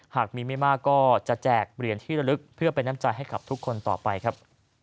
หากมีไม่มากก็จะแจกเหรียญที่ระลึกเพื่อเป็นน้ำใจให้กับทุกคนต่อไปครับ